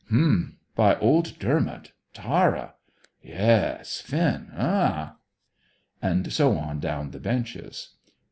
"H'm! By old Dermot Tara. Yes. Finn. Ah!" And so on down the benches.